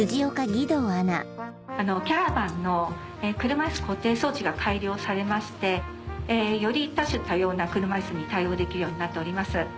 あのキャラバンの車いす固定装置が改良されましてより多種多様な車いすに対応できるようになっております。